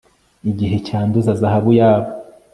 Igihe cyanduza zahabu yabo